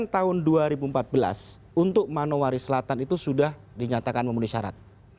tahun dua ribu empat belas untuk manowari selatan itu sudah dinyatakan memenuhi syarat